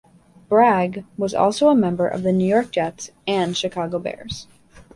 Bragg was also a member of the New York Jets and Chicago Bears.